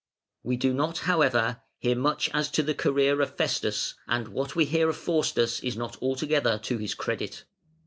We do not, however, hear much as to the career of Festus, and what we hear of Faustus is not altogether to his credit.